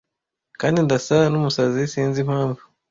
kandi ndasa numusazi sinzi impamvu